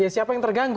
siapa yang terganggu